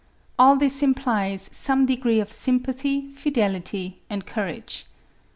All this implies some degree of sympathy, fidelity, and courage.